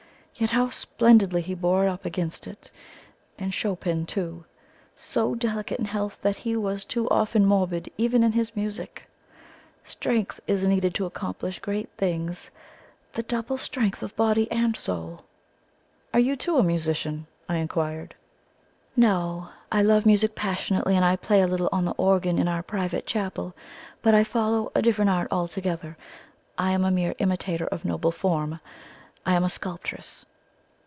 Yet how splendidly he bore up against it! And Chopin, too so delicate in health that he was too often morbid even in his music. Strength is needed to accomplish great things the double strength of body and soul." "Are you, too, a musician?" I inquired. "No. I love music passionately, and I play a little on the organ in our private chapel; but I follow a different art altogether. I am a mere imitator of noble form I am a sculptress."